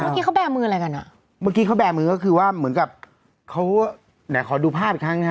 เมื่อกี้เขาแบร์มืออะไรกันอ่ะเมื่อกี้เขาแบร์มือก็คือว่าเหมือนกับเขาไหนขอดูภาพอีกครั้งนะฮะ